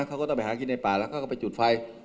เขาก็ต้องไปหากินในป่าแล้วเขาก็ไปจุดไฟ